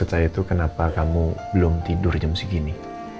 saya itu kenapa kamu belum tidur jam segini